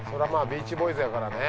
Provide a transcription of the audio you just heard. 『ビーチボーイズ』やからね。